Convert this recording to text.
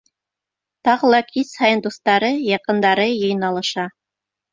Тағы ла кис һайын дуҫтары, яҡындары йыйналыша.